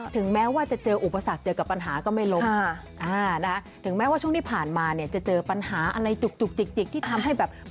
ถึงแม้ว่าจะเจออุปสรรคเจอกับปัญหาก็ไม่ล้มถึงแม้ว่าช่วงที่ผ่านมาเนี่ยจะเจอปัญหาอะไรจุกจิกที่ทำให้แบบ